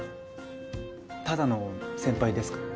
ただの先輩ですか？